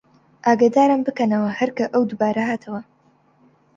ئاگەدارم بکەنەوە هەر کە ئەو دووبارە هاتەوە